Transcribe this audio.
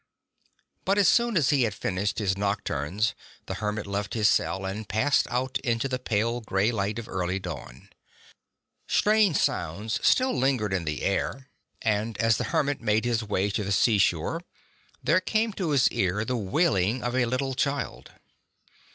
But as soon as he had finished his nocturns the hermit left his cell and passed out into the pale gray light of early dawn. Strange sounds still lingered in the air, and as the 75 hermit made his way to the seashore there came to his ear the wailing of a little child.